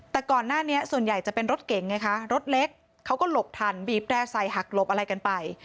แต่ก่อนหน้านี้ส่วนใหญ่จะเป็นรถเก่งไงคะรถเล็กเขาก็หลบทันบีบแร่ใส่หักหลบอะไรกันไป